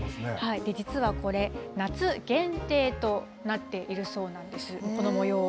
実はこれ、夏限定となっているそうなんです、この模様。